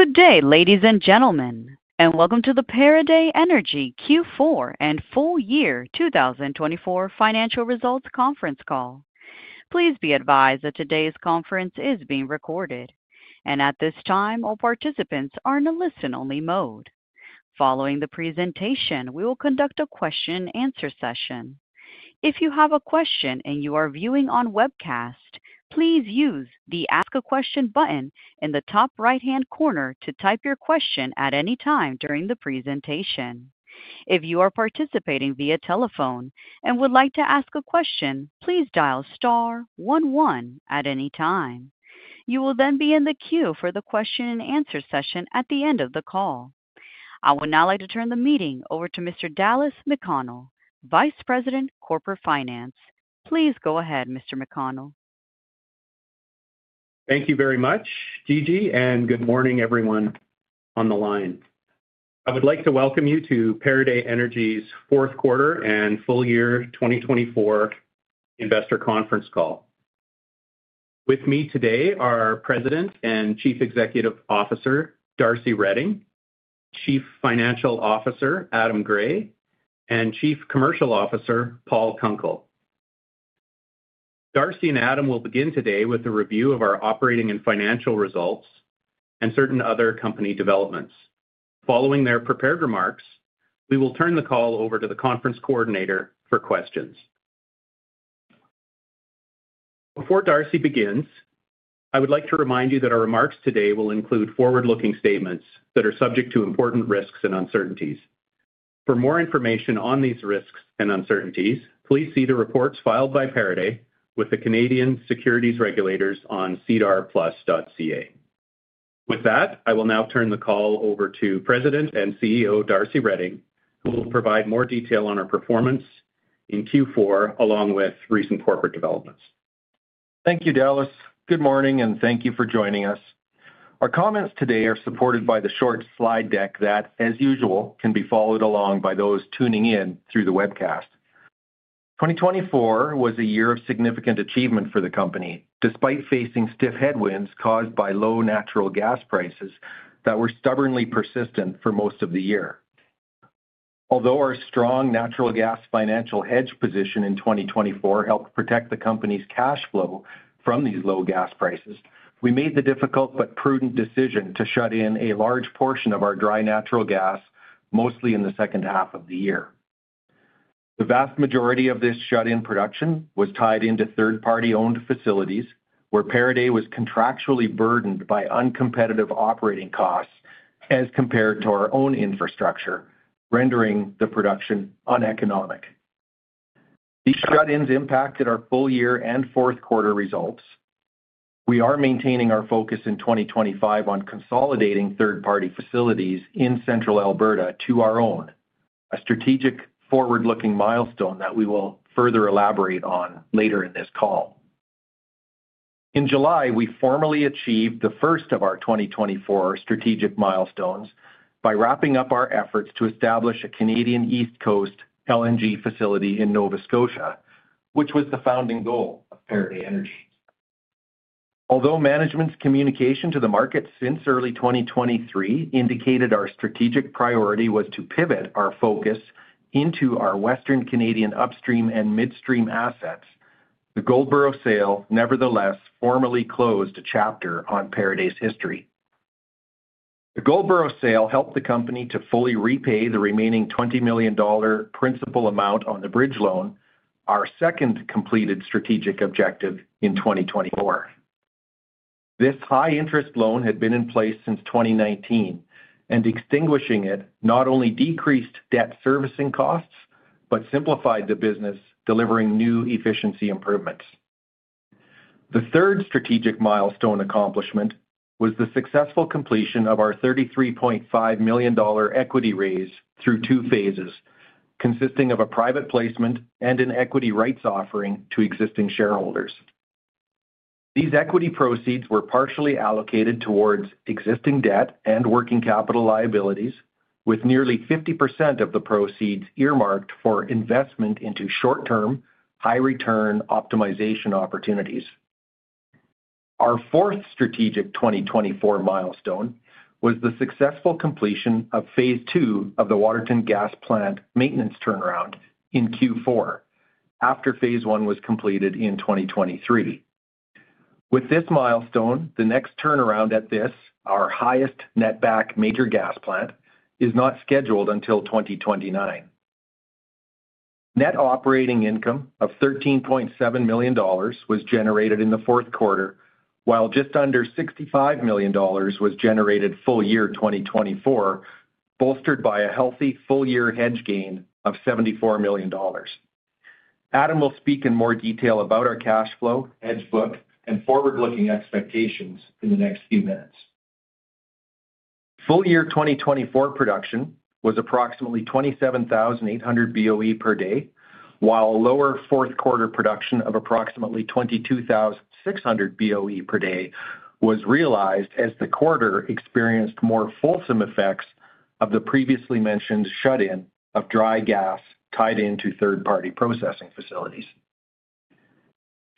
Good day, ladies and gentlemen, and welcome to the Pieridae Energy Q4 and full year 2024 financial results conference call. Please be advised that today's conference is being recorded, and at this time, all participants are in a listen-only mode. Following the presentation, we will conduct a question-and-answer session. If you have a question and you are viewing on webcast, please use the Ask a Question button in the top right-hand corner to type your question at any time during the presentation. If you are participating via telephone and would like to ask a question, please dial star 11 at any time. You will then be in the queue for the question-and-answer session at the end of the call. I would now like to turn the meeting over to Mr. Dallas McConnell, Vice President, Corporate Finance. Please go ahead, Mr. McConnell. Thank you very much, Gigi, and good morning, everyone on the line. I would like to welcome you to Pieridae Energy's fourth quarter and full year 2024 investor conference call. With me today are President and Chief Executive Officer Darcy Reding, Chief Financial Officer Adam Gray, and Chief Commercial Officer Paul Kunkel. Darcy and Adam will begin today with a review of our operating and financial results and certain other company developments. Following their prepared remarks, we will turn the call over to the conference coordinator for questions. Before Darcy begins, I would like to remind you that our remarks today will include forward-looking statements that are subject to important risks and uncertainties. For more information on these risks and uncertainties, please see the reports filed by Pieridae with the Canadian Securities Regulators on sedarplus.ca. With that, I will now turn the call over to President and CEO Darcy Reding, who will provide more detail on our performance in Q4 along with recent corporate developments. Thank you, Dallas. Good morning, and thank you for joining us. Our comments today are supported by the short slide deck that, as usual, can be followed along by those tuning in through the webcast. 2024 was a year of significant achievement for the company, despite facing stiff headwinds caused by low natural gas prices that were stubbornly persistent for most of the year. Although our strong natural gas financial hedge position in 2024 helped protect the company's cash flow from these low gas prices, we made the difficult but prudent decision to shut in a large portion of our dry natural gas, mostly in the second half of the year. The vast majority of this shut-in production was tied into third-party-owned facilities, where Pieridae Energy was contractually burdened by uncompetitive operating costs as compared to our own infrastructure, rendering the production uneconomic. These shut-ins impacted our full year and fourth quarter results. We are maintaining our focus in 2025 on consolidating third-party facilities in Central Alberta to our own, a strategic forward-looking milestone that we will further elaborate on later in this call. In July, we formally achieved the first of our 2024 strategic milestones by wrapping up our efforts to establish a Canadian East Coast LNG facility in Nova Scotia, which was the founding goal of Pieridae Energy. Although management's communication to the market since early 2023 indicated our strategic priority was to pivot our focus into our Western Canadian upstream and midstream assets, the Goldboro sale nevertheless formally closed a chapter on Pieridae's history. The Goldboro sale helped the company to fully repay the remaining 20 million dollar principal amount on the bridge loan, our second completed strategic objective in 2024. This high-interest loan had been in place since 2019, and extinguishing it not only decreased debt servicing costs but simplified the business, delivering new efficiency improvements. The third strategic milestone accomplishment was the successful completion of our 33.5 million dollar equity raise through two phases, consisting of a private placement and an equity rights offering to existing shareholders. These equity proceeds were partially allocated towards existing debt and working capital liabilities, with nearly 50% of the proceeds earmarked for investment into short-term high-return optimization opportunities. Our fourth strategic 2024 milestone was the successful completion of phase two of the Waterton Gas Plant maintenance turnaround in Q4, after phase one was completed in 2023. With this milestone, the next turnaround at this, our highest net back major gas plant, is not scheduled until 2029. Net operating income of 13.7 million dollars was generated in the fourth quarter, while just under 65 million dollars was generated full year 2024, bolstered by a healthy full year hedge gain of 74 million dollars. Adam will speak in more detail about our cash flow, hedge book, and forward-looking expectations in the next few minutes. Full year 2024 production was approximately 27,800 BOE per day, while a lower fourth quarter production of approximately 22,600 BOE per day was realized as the quarter experienced more fulsome effects of the previously mentioned shut-in of dry gas tied into third-party processing facilities.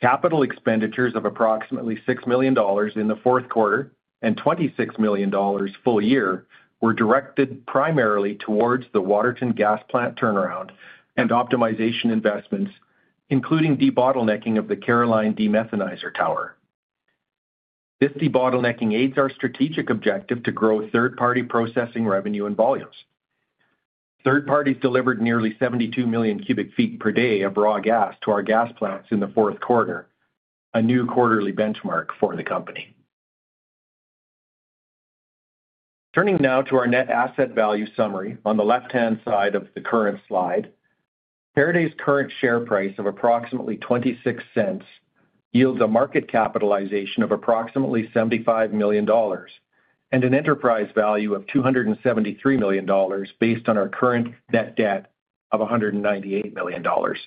Capital expenditures of approximately 6 million dollars in the fourth quarter and 26 million dollars full year were directed primarily towards the Waterton Gas Plant turnaround and optimization investments, including debottlenecking of the Caroline Demethanizer Tower. This debottlenecking aids our strategic objective to grow third-party processing revenue and volumes. Third parties delivered nearly 72 million cubic feet per day of raw gas to our gas plants in the fourth quarter, a new quarterly benchmark for the company. Turning now to our net asset value summary on the left-hand side of the current slide, Pieridae Energy's current share price of approximately 0.26 yields a market capitalization of approximately 75 million dollars and an enterprise value of 273 million dollars based on our current net debt of 198 million dollars.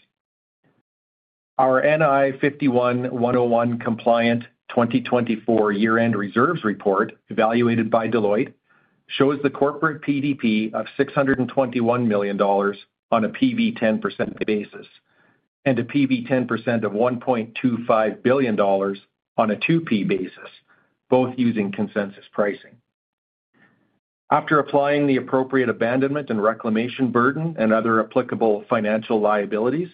Our NI 51-101 compliant 2024 year-end reserves report, evaluated by Deloitte, shows the corporate PDP of 621 million dollars on a PV 10% basis and a PV 10% of 1.25 billion dollars on a 2P basis, both using consensus pricing. After applying the appropriate abandonment and reclamation burden and other applicable financial liabilities,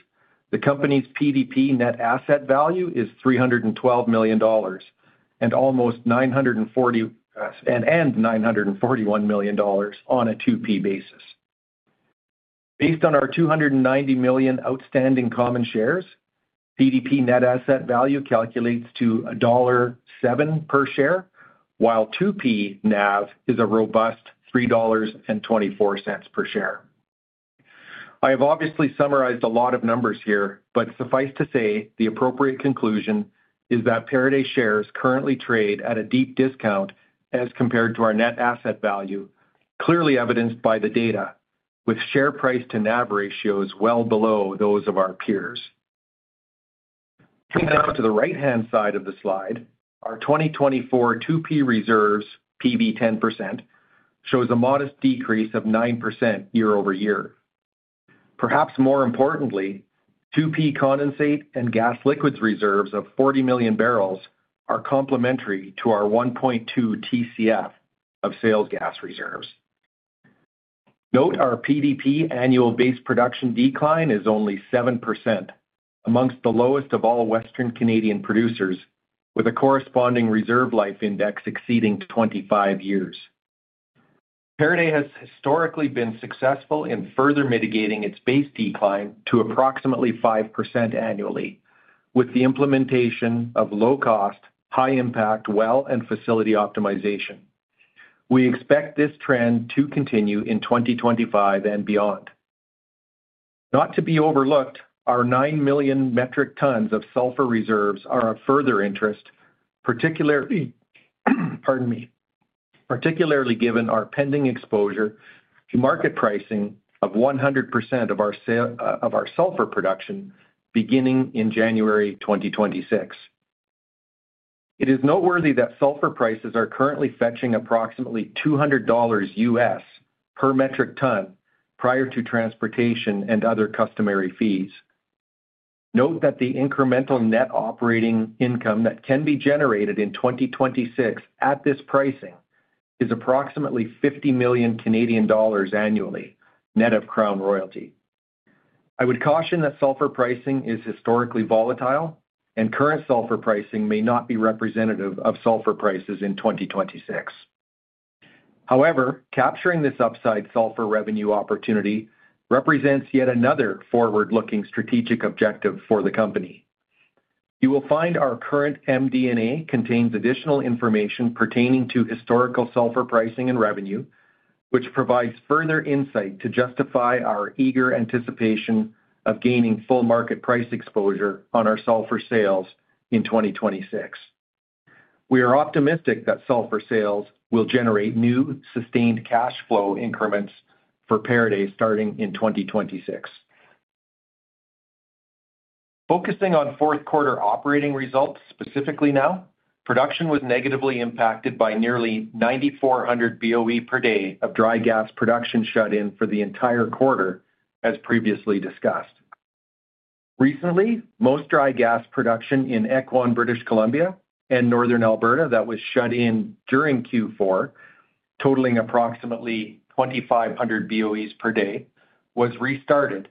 the company's PDP net asset value is 312 million dollars and almost 941 million dollars on a 2P basis. Based on our 290 million outstanding common shares, PDP net asset value calculates to $1.07 per share, while 2P NAV is a robust $3.24 per share. I have obviously summarized a lot of numbers here, but suffice to say the appropriate conclusion is that Pieridae Energy shares currently trade at a deep discount as compared to our net asset value, clearly evidenced by the data, with share price to NAV ratios well below those of our peers. Coming now to the right-hand side of the slide, our 2024 2P reserves, PV 10%, shows a modest decrease of 9% year over year. Perhaps more importantly, 2P condensate and gas liquids reserves of 40 million barrels are complementary to our 1.2 TCF of sales gas reserves. Note our PDP annual base production decline is only 7%, amongst the lowest of all Western Canadian producers, with a corresponding reserve life index exceeding 25 years. Energy has historically been successful in further mitigating its base decline to approximately 5% annually, with the implementation of low-cost, high-impact well and facility optimization. We expect this trend to continue in 2025 and beyond. Not to be overlooked, our 9 million metric tons of sulfur reserves are of further interest, particularly given our pending exposure to market pricing of 100% of our sulfur production beginning in January 2026. It is noteworthy that sulfur prices are currently fetching approximately $200 U.S. per metric ton prior to transportation and other customary fees. Note that the incremental net operating income that can be generated in 2026 at this pricing is approximately 50 million Canadian dollars annually, net of Crown royalty. I would caution that sulfur pricing is historically volatile, and current sulfur pricing may not be representative of sulfur prices in 2026. However, capturing this upside sulfur revenue opportunity represents yet another forward-looking strategic objective for the company. You will find our current MD&A contains additional information pertaining to historical sulfur pricing and revenue, which provides further insight to justify our eager anticipation of gaining full market price exposure on our sulfur sales in 2026. We are optimistic that sulfur sales will generate new sustained cash flow increments for Pieridae Energy starting in 2026. Focusing on fourth quarter operating results specifically now, production was negatively impacted by nearly 9,400 BOE per day of dry gas production shut-in for the entire quarter, as previously discussed. Recently, most dry gas production in Ekwan, British Columbia, and Northern Alberta that was shut in during Q4, totaling approximately 2,500 BOE per day, was restarted,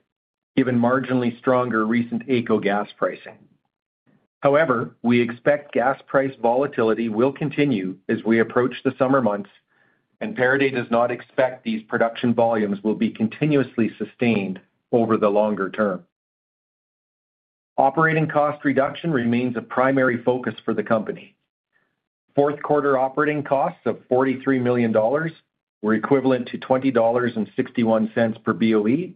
given marginally stronger recent AECO gas pricing. However, we expect gas price volatility will continue as we approach the summer months, and Pieridae Energy does not expect these production volumes will be continuously sustained over the longer term. Operating cost reduction remains a primary focus for the company. Fourth quarter operating costs of 43 million dollars were equivalent to 20.61 dollars per BOE,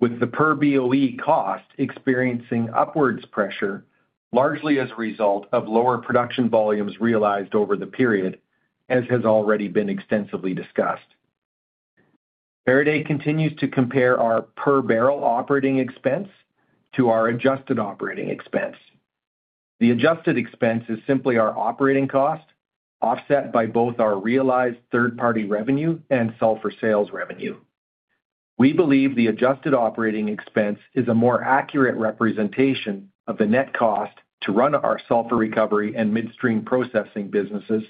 with the per BOE cost experiencing upwards pressure, largely as a result of lower production volumes realized over the period, as has already been extensively discussed. Pieridae Energy continues to compare our per barrel operating expense to our adjusted operating expense. The adjusted expense is simply our operating cost, offset by both our realized third-party revenue and sulfur sales revenue. We believe the adjusted operating expense is a more accurate representation of the net cost to run our sulfur recovery and midstream processing businesses,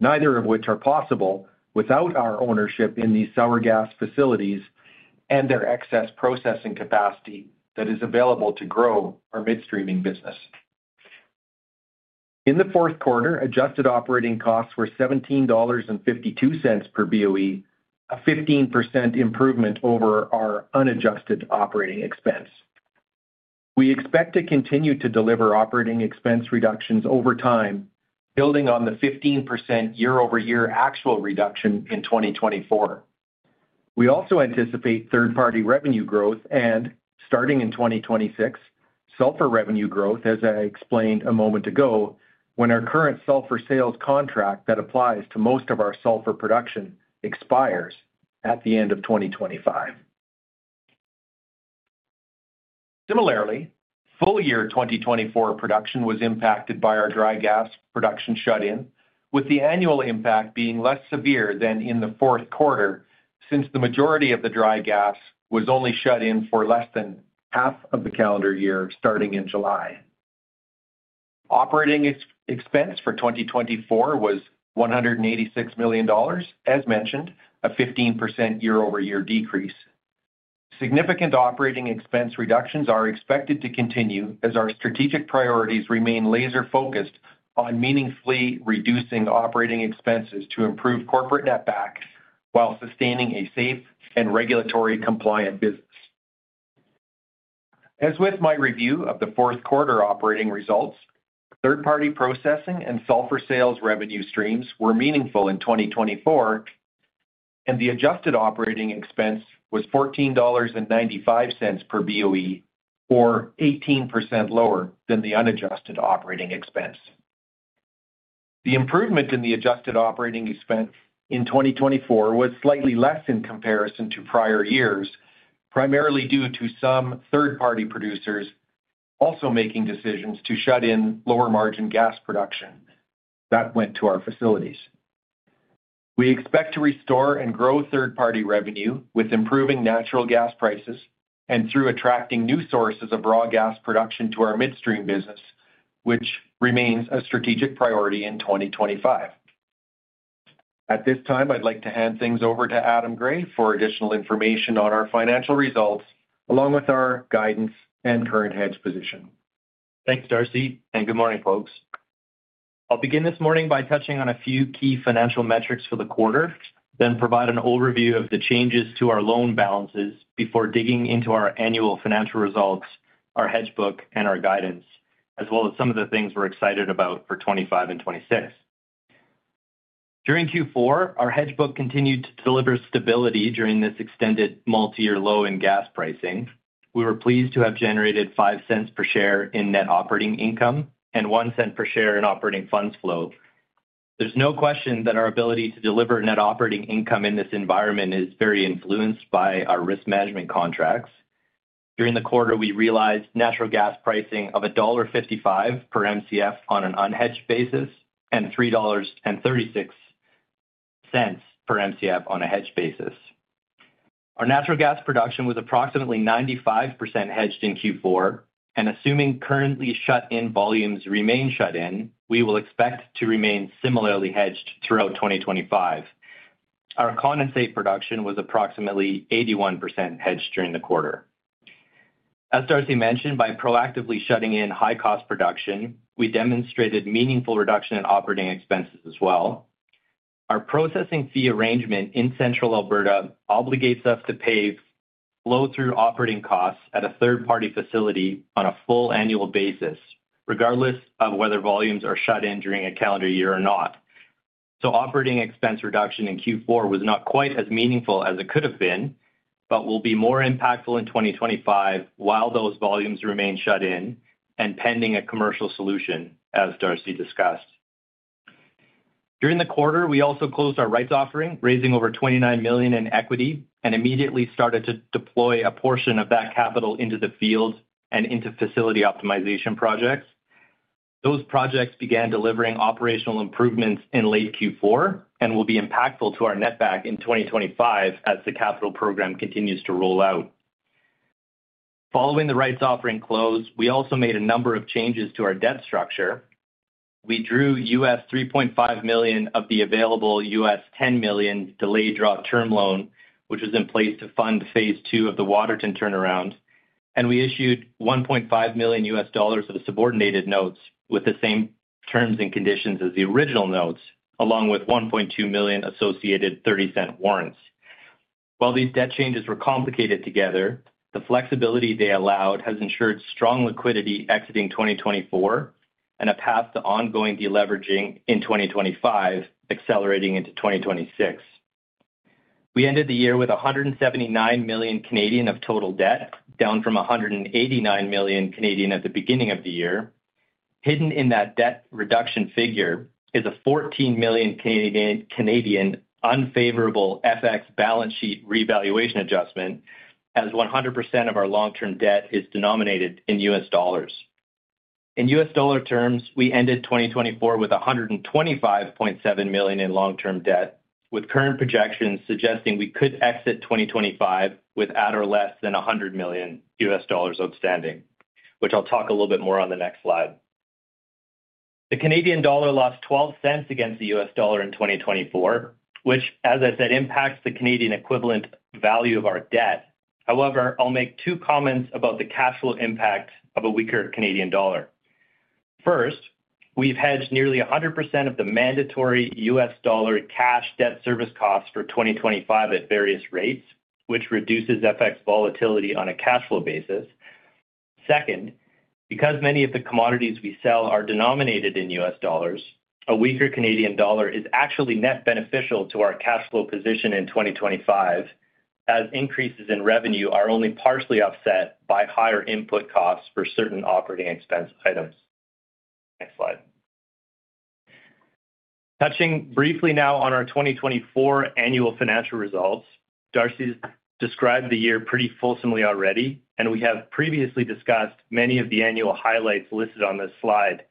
neither of which are possible without our ownership in these sour gas facilities and their excess processing capacity that is available to grow our midstreaming business. In the fourth quarter, adjusted operating costs were 17.52 dollars per BOE, a 15% improvement over our unadjusted operating expense. We expect to continue to deliver operating expense reductions over time, building on the 15% year-over-year actual reduction in 2024. We also anticipate third-party revenue growth and, starting in 2026, sulfur revenue growth, as I explained a moment ago, when our current sulfur sales contract that applies to most of our sulfur production expires at the end of 2025. Similarly, full year 2024 production was impacted by our dry gas production shut-in, with the annual impact being less severe than in the fourth quarter since the majority of the dry gas was only shut in for less than half of the calendar year starting in July. Operating expense for 2024 was 186 million dollars, as mentioned, a 15% year-over-year decrease. Significant operating expense reductions are expected to continue as our strategic priorities remain laser-focused on meaningfully reducing operating expenses to improve corporate net back while sustaining a safe and regulatory compliant business. As with my review of the fourth quarter operating results, third-party processing and sulfur sales revenue streams were meaningful in 2024, and the adjusted operating expense was 14.95 dollars per BOE, or 18% lower than the unadjusted operating expense. The improvement in the adjusted operating expense in 2024 was slightly less in comparison to prior years, primarily due to some third-party producers also making decisions to shut in lower-margin gas production that went to our facilities. We expect to restore and grow third-party revenue with improving natural gas prices and through attracting new sources of raw gas production to our midstream business, which remains a strategic priority in 2025. At this time, I'd like to hand things over to Adam Gray for additional information on our financial results, along with our guidance and current hedge position. Thanks, Darcy, and good morning, folks. I'll begin this morning by touching on a few key financial metrics for the quarter, then provide an overview of the changes to our loan balances before digging into our annual financial results, our hedge book, and our guidance, as well as some of the things we're excited about for 2025 and 2026. During Q4, our hedge book continued to deliver stability during this extended multi-year low in gas pricing. We were pleased to have generated $0.05 per share in net operating income and $0.01 per share in operating funds flow. There's no question that our ability to deliver net operating income in this environment is very influenced by our risk management contracts. During the quarter, we realized natural gas pricing of $1.55 per MCF on an unhedged basis and $3.36 per MCF on a hedged basis. Our natural gas production was approximately 95% hedged in Q4, and assuming currently shut-in volumes remain shut-in, we will expect to remain similarly hedged throughout 2025. Our condensate production was approximately 81% hedged during the quarter. As Darcy mentioned, by proactively shutting in high-cost production, we demonstrated meaningful reduction in operating expenses as well. Our processing fee arrangement in Central Alberta obligates us to pay flow-through operating costs at a third-party facility on a full annual basis, regardless of whether volumes are shut-in during a calendar year or not. Operating expense reduction in Q4 was not quite as meaningful as it could have been, but will be more impactful in 2025 while those volumes remain shut-in and pending a commercial solution, as Darcy discussed. During the quarter, we also closed our rights offering, raising over 29 million in equity and immediately started to deploy a portion of that capital into the field and into facility optimization projects. Those projects began delivering operational improvements in late Q4 and will be impactful to our net back in 2025 as the capital program continues to roll out. Following the rights offering close, we also made a number of changes to our debt structure. We drew $3.5 million of the available $10 million delayed draw term loan, which was in place to fund phase two of the Waterton turnaround, and we issued $1.5 million of subordinated notes with the same terms and conditions as the original notes, along with $1.2 million associated 30-cent warrants. While these debt changes were complicated together, the flexibility they allowed has ensured strong liquidity exiting 2024 and a path to ongoing deleveraging in 2025, accelerating into 2026. We ended the year with 179 million of total debt, down from 189 million at the beginning of the year. Hidden in that debt reduction figure is a 14 million unfavorable FX balance sheet revaluation adjustment, as 100% of our long-term debt is denominated in U.S. dollars. In U.S. dollar terms, we ended 2024 with $125.7 million in long-term debt, with current projections suggesting we could exit 2025 with at or less than $100 million outstanding, which I'll talk a little bit more on the next slide. The Canadian dollar lost $0.12 against the U.S. dollar in 2024, which, as I said, impacts the Canadian equivalent value of our debt. However, I'll make two comments about the cash flow impact of a weaker Canadian dollar. First, we've hedged nearly 100% of the mandatory U.S. dollar cash debt service costs for 2025 at various rates, which reduces FX volatility on a cash flow basis. Second, because many of the commodities we sell are denominated in U.S. dollars, a weaker Canadian dollar is actually net beneficial to our cash flow position in 2025, as increases in revenue are only partially offset by higher input costs for certain operating expense items. Next slide. Touching briefly now on our 2024 annual financial results, Darcy described the year pretty fulsomely already, and we have previously discussed many of the annual highlights listed on this slide.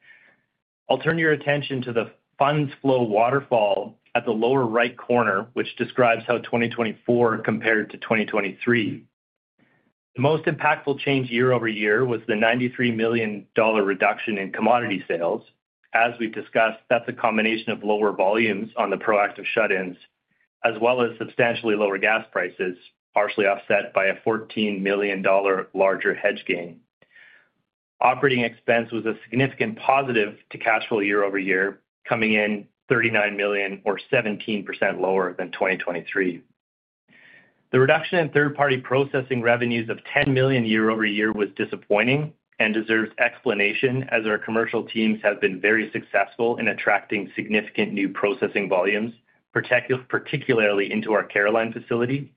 I'll turn your attention to the funds flow waterfall at the lower right corner, which describes how 2024 compared to 2023. The most impactful change year-over-year was the 93 million dollar reduction in commodity sales. As we've discussed, that's a combination of lower volumes on the proactive shut-ins, as well as substantially lower gas prices, partially offset by a 14 million dollar larger hedge gain. Operating expense was a significant positive to cash flow year-over-year, coming in 39 million, or 17% lower than 2023. The reduction in third-party processing revenues of 10 million year-over-year was disappointing and deserves explanation, as our commercial teams have been very successful in attracting significant new processing volumes, particularly into our Caroline facility.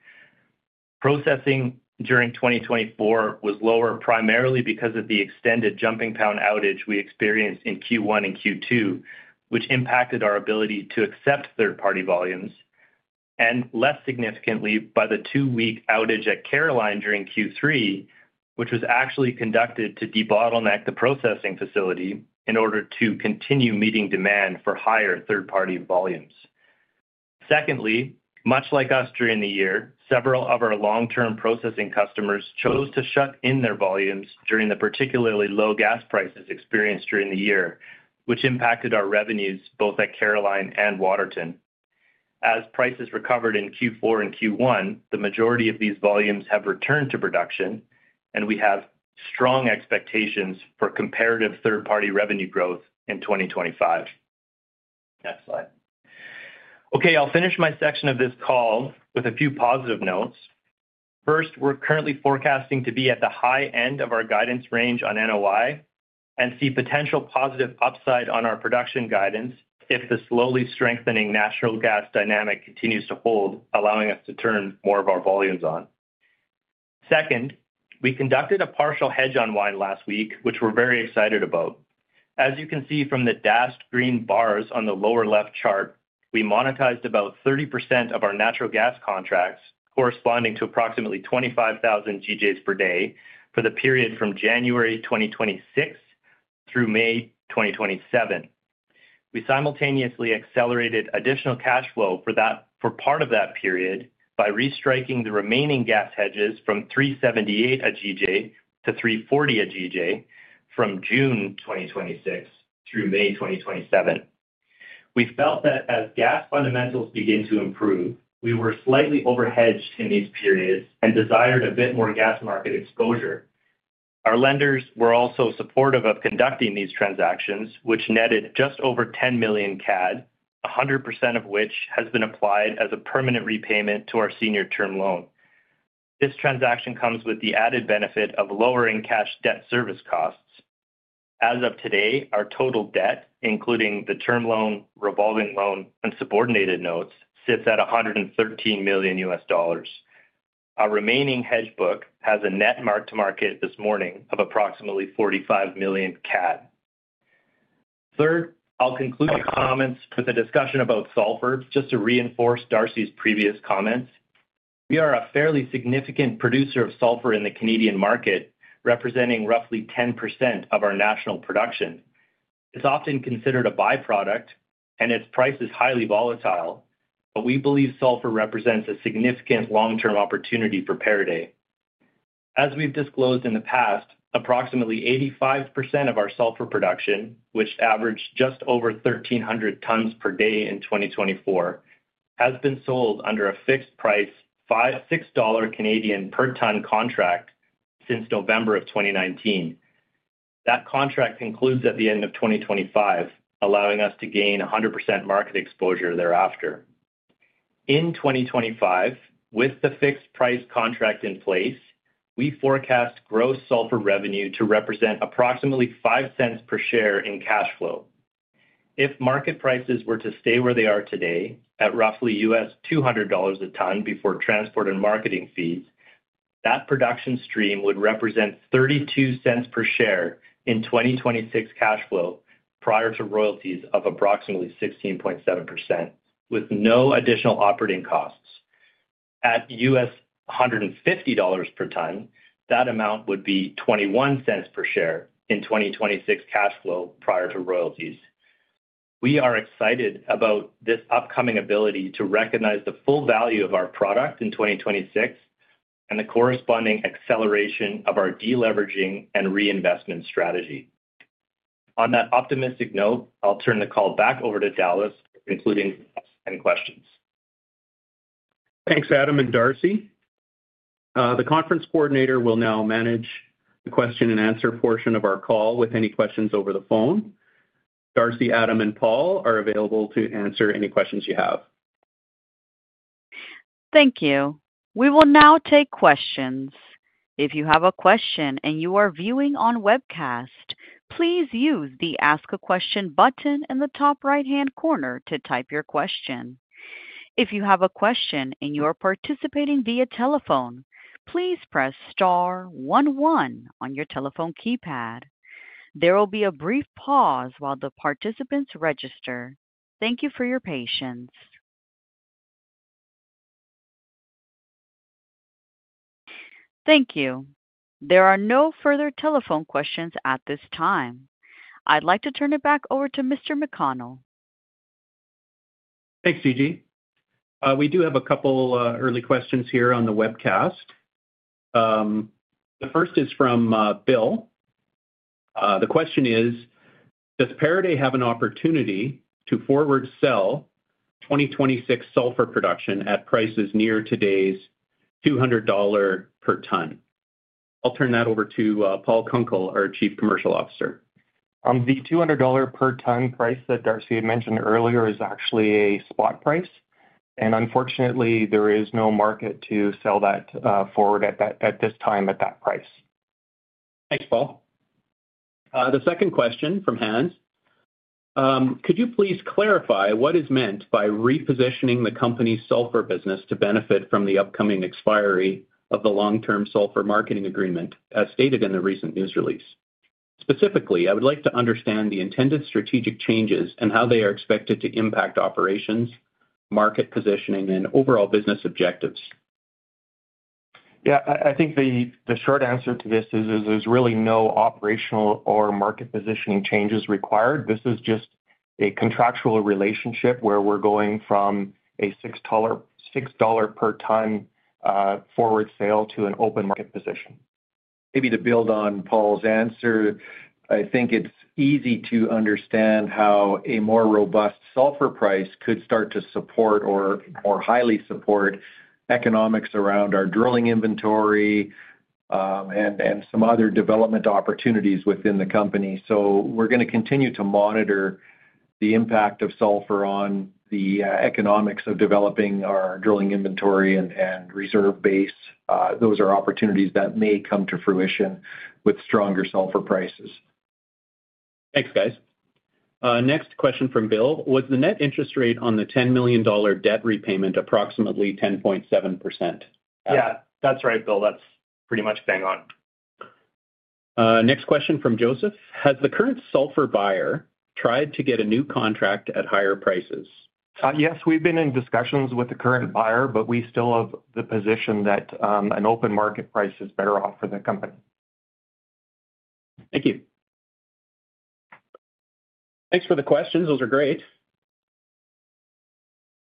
Processing during 2024 was lower primarily because of the extended Jumping Pound outage we experienced in Q1 and Q2, which impacted our ability to accept third-party volumes, and less significantly by the two-week outage at Caroline during Q3, which was actually conducted to debottleneck the processing facility in order to continue meeting demand for higher third-party volumes. Secondly, much like us during the year, several of our long-term processing customers chose to shut in their volumes during the particularly low gas prices experienced during the year, which impacted our revenues both at Caroline and Waterton. As prices recovered in Q4 and Q1, the majority of these volumes have returned to production, and we have strong expectations for comparative third-party revenue growth in 2025. Next slide. Okay, I'll finish my section of this call with a few positive notes. First, we're currently forecasting to be at the high end of our guidance range on NOI and see potential positive upside on our production guidance if the slowly strengthening natural gas dynamic continues to hold, allowing us to turn more of our volumes on. Second, we conducted a partial hedge unwind last week, which we're very excited about. As you can see from the dashed green bars on the lower left chart, we monetized about 30% of our natural gas contracts, corresponding to approximately 25,000 GJs per day for the period from January 2026 through May 2027. We simultaneously accelerated additional cash flow for that for part of that period by restriking the remaining gas hedges from $3.78 a GJ-$3.40 a GJ from June 2026 through May 2027. We felt that as gas fundamentals began to improve, we were slightly overhedged in these periods and desired a bit more gas market exposure. Our lenders were also supportive of conducting these transactions, which netted just over 10 million CAD, 100% of which has been applied as a permanent repayment to our senior term loan. This transaction comes with the added benefit of lowering cash debt service costs. As of today, our total debt, including the term loan, revolving loan, and subordinated notes, sits at $113 million US dollars. Our remaining hedge book has a net mark-to-market this morning of approximately 45 million CAD. Third, I'll conclude my comments with a discussion about sulfur, just to reinforce Darcy's previous comments. We are a fairly significant producer of sulfur in the Canadian market, representing roughly 10% of our national production. It's often considered a byproduct, and its price is highly volatile, but we believe sulfur represents a significant long-term opportunity for Pieridae Energy. As we've disclosed in the past, approximately 85% of our sulfur production, which averaged just over 1,300 tons per day in 2024, has been sold under a fixed price, 6 Canadian dollars per ton contract since November of 2019. That contract concludes at the end of 2025, allowing us to gain 100% market exposure thereafter. In 2025, with the fixed price contract in place, we forecast gross sulfur revenue to represent approximately $0.05 per share in cash flow. If market prices were to stay where they are today, at roughly $200 a ton before transport and marketing fees, that production stream would represent $0.32 per share in 2026 cash flow prior to royalties of approximately 16.7%, with no additional operating costs. At $150 per ton, that amount would be $0.21 per share in 2026 cash flow prior to royalties. We are excited about this upcoming ability to recognize the full value of our product in 2026 and the corresponding acceleration of our deleveraging and reinvestment strategy. On that optimistic note, I'll turn the call back over to Dallas, including any questions. Thanks, Adam and Darcy. The conference coordinator will now manage the question-and-answer portion of our call with any questions over the phone. Darcy, Adam, and Paul are available to answer any questions you have. Thank you. We will now take questions. If you have a question and you are viewing on webcast, please use the Ask a Question button in the top right-hand corner to type your question. If you have a question and you are participating via telephone, please press star 11 on your telephone keypad. There will be a brief pause while the participants register. Thank you for your patience. Thank you. There are no further telephone questions at this time. I'd like to turn it back over to Mr. McConnell. Thanks, Gigi. We do have a couple of early questions here on the webcast. The first is from Bill. The question is, does Pieridae Energy have an opportunity to forward sell 2026 sulfur production at prices near today's $200 per ton? I'll turn that over to Paul Kunkel, our Chief Commercial Officer. The $200 per ton price that Darcy had mentioned earlier is actually a spot price, and unfortunately, there is no market to sell that forward at this time at that price. Thanks, Paul. The second question from Hans. Could you please clarify what is meant by repositioning the company's sulfur business to benefit from the upcoming expiry of the long-term sulfur marketing agreement, as stated in the recent news release? Specifically, I would like to understand the intended strategic changes and how they are expected to impact operations, market positioning, and overall business objectives. Yeah, I think the short answer to this is there's really no operational or market positioning changes required. This is just a contractual relationship where we're going from a $6 per ton forward sale to an open market position. Maybe to build on Paul's answer, I think it's easy to understand how a more robust sulfur price could start to support or more highly support economics around our drilling inventory and some other development opportunities within the company. We're going to continue to monitor the impact of sulfur on the economics of developing our drilling inventory and reserve base. Those are opportunities that may come to fruition with stronger sulfur prices. Thanks, guys. Next question from Bill. Was the net interest rate on the $10 million debt repayment approximately 10.7%? Yeah, that's right, Bill. That's pretty much bang on. Next question from Joseph. Has the current sulfur buyer tried to get a new contract at higher prices? Yes, we've been in discussions with the current buyer, but we still have the position that an open market price is better off for the company. Thank you. Thanks for the questions. Those are great.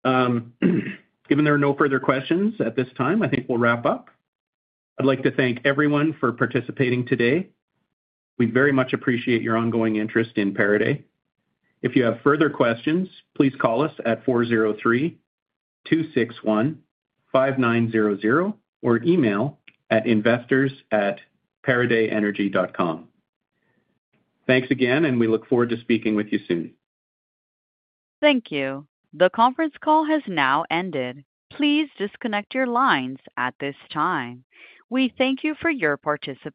Given there are no further questions at this time, I think we'll wrap up. I'd like to thank everyone for participating today. We very much appreciate your ongoing interest in Pieridae Energy. If you have further questions, please call us at 403-261-5900 or email at investors@pieridaeenergy.com. Thanks again, and we look forward to speaking with you soon. Thank you. The conference call has now ended. Please disconnect your lines at this time. We thank you for your participation.